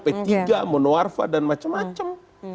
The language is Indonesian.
p tiga monoarfa dan macam macam